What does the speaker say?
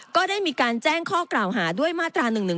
ก็ได้มีการแจ้งข้อกล่าวหาด้วยมาตรา๑๑๒